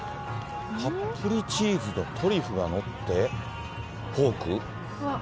たっぷりチーズとトリュフが載って、ポーク？